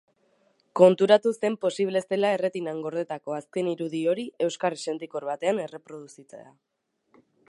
Konturatu zen posible zela erretinan gordetako azken irudi hori euskarri sentikor batean erreproduzitzea.